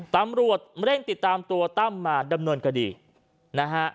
ตำรวจเร่งติดตามตัวตั้มมาดำเนินคดีนะฮะ